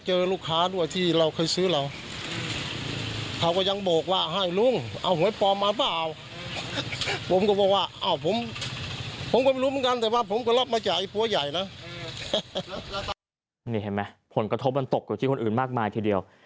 ผลกระทบมันตกอยู่บนคนอื่นมากมายทีเดียว